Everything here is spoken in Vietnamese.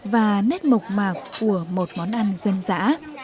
và nét mộc mạc của một món ăn dân dã